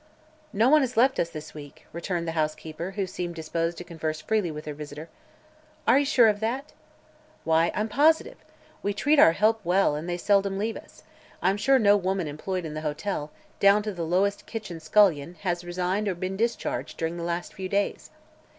"No one has left us this week," returned the housekeeper, who seemed disposed to converse freely with her visitor. "Are you sure of that?" "Why, I'm positive. We treat our help well and they seldom leave us. I'm sure no woman employed in this hotel, down to the lowest kitchen scullion, has resigned or been discharged during the last few days."